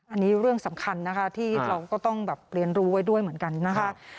อันนี้เรื่องสำคัญนะคะที่เราก็ต้องแบบเรียนรู้ไว้ด้วยเหมือนกันนะคะ